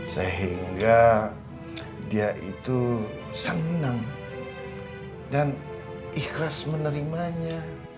sehingga dia itu senang dan ikhlas menerimanya